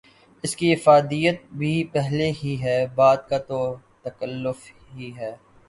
اس کی افادیت بھی پہلے ہی ہے، بعد کا تو تکلف ہی ہے۔